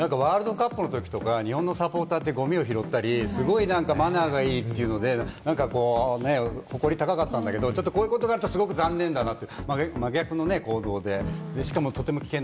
ワールドカップの時とか、日本のサポーターって、ゴミを拾ったり、すごいマナーがいいというので、誇りたかったんだけれども、こういうことがあるとすごく残念だなと。